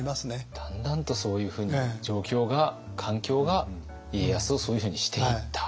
だんだんとそういうふうに状況が環境が家康をそういうふうにしていった。